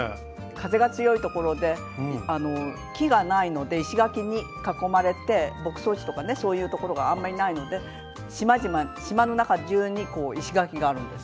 風が強い所で木がないので石垣に囲まれて牧草地とかねそういう所があんまりないので島の中じゅうに石垣があるんです。